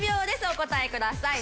お答えください。